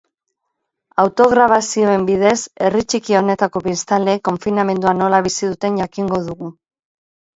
Autograbazioen bidez, herri txiki honetako biztanleek konfinamendua nola bizi duten jakingo dugu.